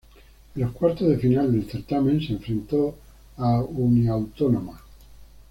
En los cuartos de final del certamen, se enfrentó a Uniautónoma.